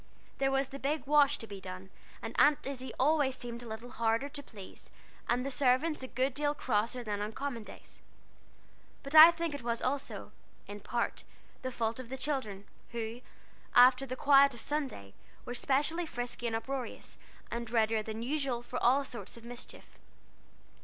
There was the big wash to be done, and Aunt Izzie always seemed a little harder to please, and the servants a good deal crosser than on common days. But I think it was also, in part, the fault of the children, who, after the quiet of Sunday, were specially frisky and uproarious, and readier than usual for all sorts of mischief.